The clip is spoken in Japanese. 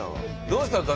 どうしたの？